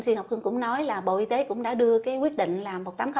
thì mc ngọc hưng cũng nói là bộ y tế cũng đã đưa quyết định là một nghìn tám trăm linh bảy